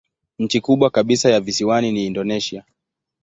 Nchi kubwa kabisa ya visiwani ni Indonesia.